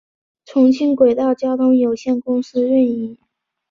重庆轨道交通有限公司运营。